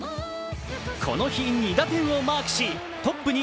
この日、２打点をマークしトップよ